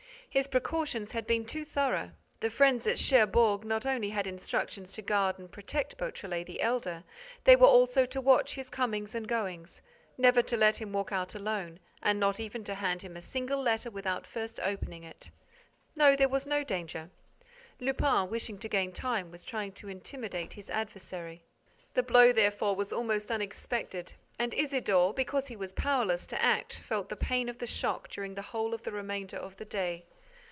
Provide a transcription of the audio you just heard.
His precautions had been too thorough. The friends at Cherbourg not only had instructions to guard and protect Beautrelet the elder: they were also to watch his comings and goings, never to let him walk out alone and not even to hand him a single letter without first opening it. No, there was no danger. Lupin, wishing to gain time, was trying to intimidate his adversary. The blow, therefore, was almost unexpected; and Isidore, because he was powerless to act, felt the pain of the shock during the whole of the remainder of the day.